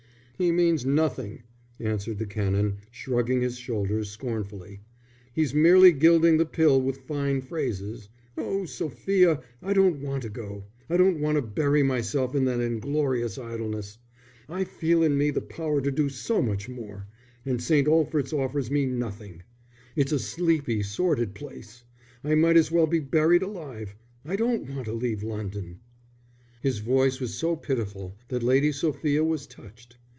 "He means nothing," answered the Canon, shrugging his shoulders scornfully. "He's merely gilding the pill with fine phrases. Oh, Sophia, I don't want to go. I don't want to bury myself in that inglorious idleness. I feel in me the power to do so much more, and St. Olphert's offers me nothing. It's a sleepy, sordid place. I might as well be buried alive. I don't want to leave London." His voice was so pitiful that Lady Sophia was touched.